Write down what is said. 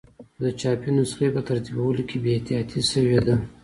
خو د چاپي نسخې په ترتیبولو کې بې احتیاطي شوې ده.